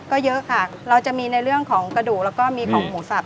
ก็เยอะค่ะเราจะมีในเรื่องของกระดูกแล้วก็มีของหมูสับ